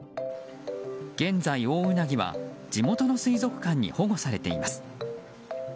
現在、オオウナギは地元の水族館に保護されています。